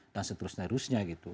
dan seterusnya gitu